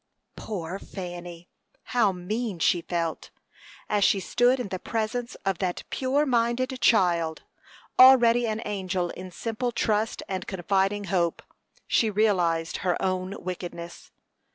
Poor Fanny! How mean she felt! As she stood in the presence of that pure minded child, already an angel in simple trust and confiding hope, she realized her own wickedness.